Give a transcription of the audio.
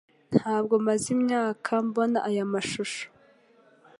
Ntabwo maze imyaka mbona aya mashusho